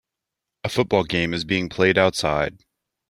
A football game is being played outside.